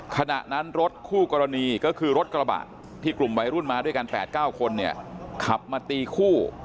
ขณะนั้นรถคู่กรณีก็คือรถกระบะที่กลุ่มวัยรุ่นมาด้วยกัน๘๙คนเนี่ยขับมาตีคู่